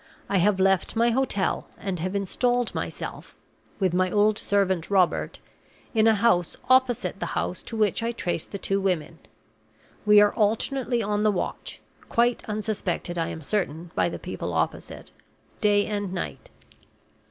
I have left my hotel, and have installed myself (with my old servant Robert) in a house opposite the house to which I traced the two women. We are alternately on the watch (quite unsuspected, I am certain, by the people opposite) day and night.